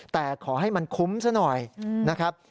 แต่ขอให้มันคุ้มซะหน่อยนะครับ